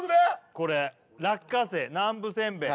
これ落花生南部せんべい